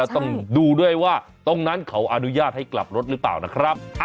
ต้องดูด้วยว่าตรงนั้นเขาอนุญาตให้กลับรถหรือเปล่านะครับ